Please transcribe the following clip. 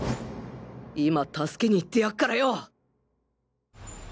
今助けに行ってやっからよ！